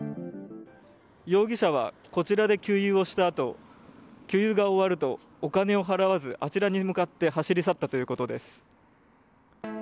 容疑者はこちらで給油をしたあと給油が終わるとお金を払わずあちらに向かって走り去ったということです。